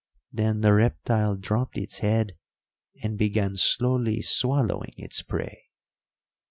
Then the reptile dropped its head and began slowly swallowing its prey."